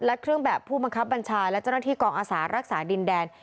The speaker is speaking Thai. และเครื่องแบบผู้บังคับบัญชาและเจ้าหน้าที่กองอาสารักษาดินแดน